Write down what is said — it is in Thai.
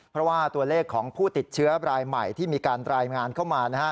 เพราะว่าตัวเลขของผู้ติดเชื้อรายใหม่ที่มีการรายงานเข้ามานะฮะ